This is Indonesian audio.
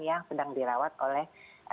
yang sedang dirawat oleh